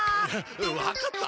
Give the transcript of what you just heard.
分かった！